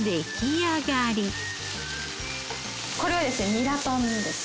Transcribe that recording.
これはですねニラ豚です。